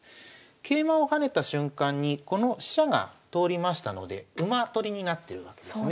桂馬を跳ねた瞬間にこの飛車が通りましたので馬取りになってるわけですね。